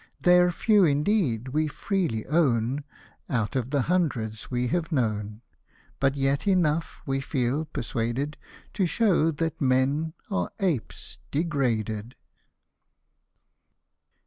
They're few indeed, we freely own, Out of the hundreds we have known ; But yet enough, we feel persuaded, To show that men are apes degraded."